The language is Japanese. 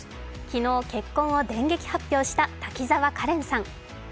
昨日結婚を電撃発表した滝沢カレンさん。